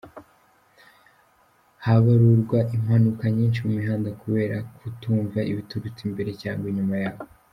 Habarurwa impanuka nyinshi mu mihanda kubera kutumva ibiturutse imbere cyangwa inyuma yabo.